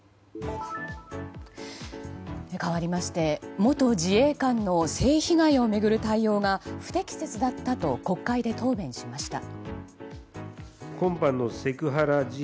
かわりまして元自衛官の性被害を巡る対応が不適切だったと国会で答弁しました。